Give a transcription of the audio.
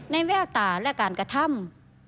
แววตาและการกระทำ